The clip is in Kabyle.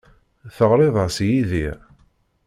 Teɣrid-as i Yidir?